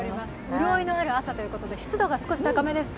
潤いのある朝ということで、湿度がちょっと高めですか？